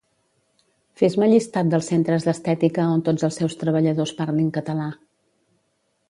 Fes-me llistat dels centres d'estètica on tots els seus treballadors parlin català